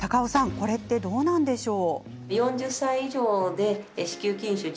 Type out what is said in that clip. これってどうなんでしょう？